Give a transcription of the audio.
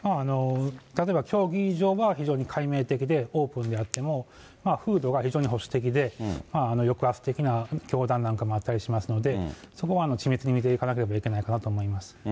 例えば教義上は非常にかいめい的で、オープンであっても、風土が非常に保守的で、抑圧的な教団なんかもあったりしますので、そこは緻密にしなきゃいけないと思います。